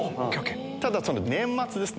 ただ、年末ですね。